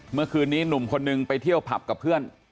เมื่อคืนนี้หนุ่มคนนึงไปเที่ยวผับกับเพื่อน